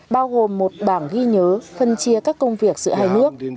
bao gồm một bản ghi nhớ phân chia các công việc giữa hai nước